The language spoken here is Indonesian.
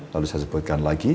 lalu saya sebutkan lagi